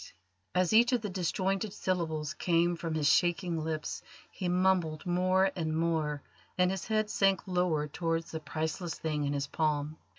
As each of the disjointed syllables came from his shaking lips he mumbled more and more, and his head sank lower towards the priceless thing in his palm.